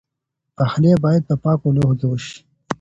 پخلی باید په پاکو لوښو کې وشي.